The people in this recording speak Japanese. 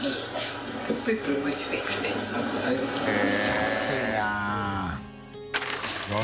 安いな。